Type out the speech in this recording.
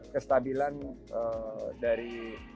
kestabilan dari pembangunan dari